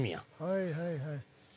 はいはいはい。